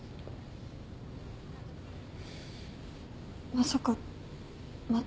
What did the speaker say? まさかまた？